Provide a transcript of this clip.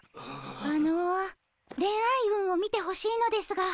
あの恋愛運を見てほしいのですが。